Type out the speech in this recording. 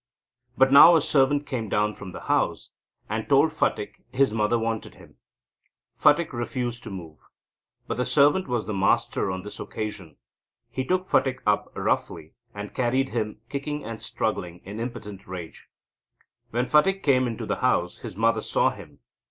But now a servant came down from the house, and told Phatik his mother wanted him. Phatik refused to move. But the servant was the master on this occasion. He took Phatik up roughly, and carried him, kicking and struggling in impotent rage. When Phatik came into the house, his mother saw him.